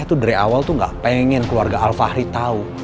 saya tuh dari awal tuh nggak pengen keluarga alfahri tahu